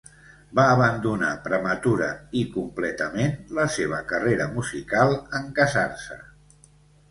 Va abandonar prematura, i completament la seva carrera musical en casar-se.